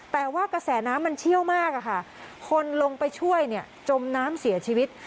แต่ว่ากระแสน้ำมันเชี่ยวมากค่ะคนลงไปช่วยเนี่ยจมน้ำเสียชีวิต